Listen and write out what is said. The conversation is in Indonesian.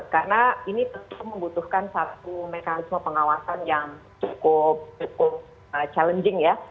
karena ini tentu membutuhkan satu mekanisme pengawasan yang cukup challenging ya